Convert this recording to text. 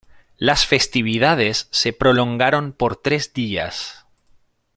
Las festividades se prolongaron por tres días.